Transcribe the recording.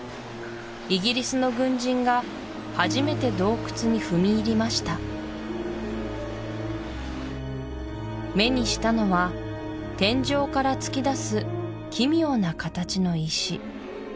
イギリスの軍人が初めて洞窟に踏み入りました目にしたのは天井から突き出す奇妙な形の石